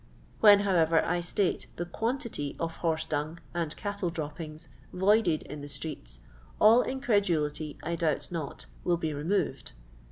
When, however, I stato the quantity of horse dung and " cattle droppbgs " voided in the streets, all incredulity, I doubt not, will be re moved.